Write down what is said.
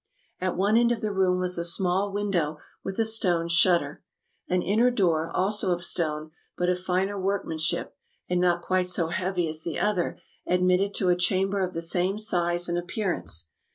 At one end of the room was a small window with a stone shutter. An inner door, also of stone, but of finer workman ship, and not quite so heavy as the other, admitted to a chamber of the same size and appearance.